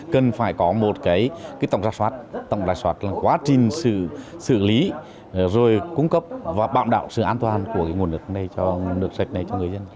cần phải có một cái tổng đài soát tổng đài soát là quá trình xử lý rồi cung cấp và bạo đạo sự an toàn của cái nguồn nước này cho nước sạch này cho người dân